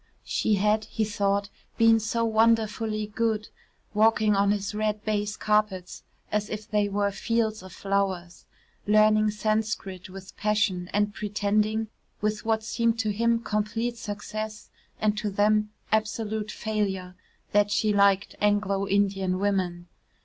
She had, he thought, been so wonderfully good, walking on his red baize carpets as if they were fields of flowers, learning Sanscrit with passion and pretending, with what seemed to him complete success, and to them, absolute failure, that she liked Anglo Indian women.